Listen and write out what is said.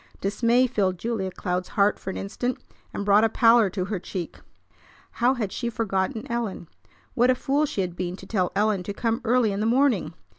Dismay filled Julia Cloud's heart for an instant, and brought a pallor to her cheek. How had she forgotten Ellen? What a fool she had been to tell Ellen to come early in the morning!